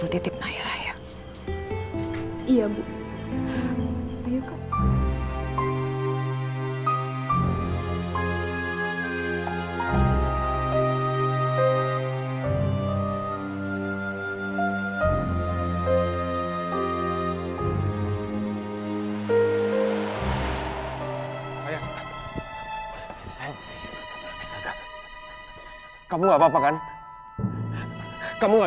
tersimpan ke yang dihukumnya